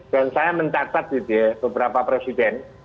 dan saya mencatat beberapa presiden